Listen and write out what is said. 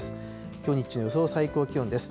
きょう日中の予想最高気温です。